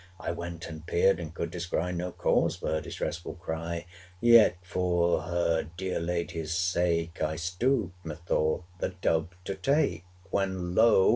I went and peered, and could descry 545 No cause for her distressful cry; But yet for her dear lady's sake I stooped, methought, the dove to take, When lo!